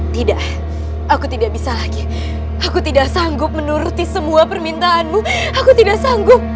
tidak aku tidak bisa lagi aku tidak sanggup menuruti semua permintaanmu aku tidak sanggup